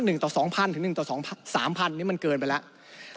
หรือ๑ต่อ๓๐๐๐นี่มันเกินไปแล้ว